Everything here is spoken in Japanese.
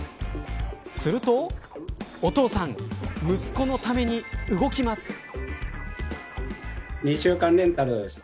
するとお父さん息子のために動きます。